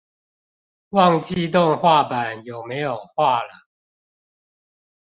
忘記動畫版有沒有畫了